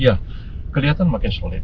iya kelihatan semakin solid